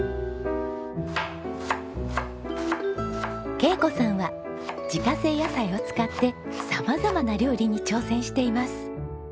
恵子さんは自家製野菜を使って様々な料理に挑戦しています。